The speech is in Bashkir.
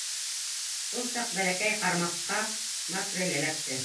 Шул саҡ бәләкәй ҡармаҡҡа макрель эләкте.